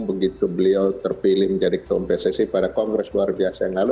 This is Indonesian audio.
begitu beliau terpilih menjadi ketua pssi pada kongres luar biasa yang lalu